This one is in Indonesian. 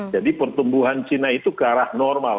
jadi pertumbuhan china itu ke arah normal